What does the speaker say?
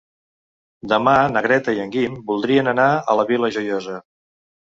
Demà na Greta i en Guim voldrien anar a la Vila Joiosa.